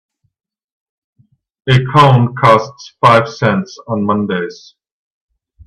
A cone costs five cents on Mondays.